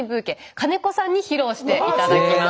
金子さんに披露して頂きます。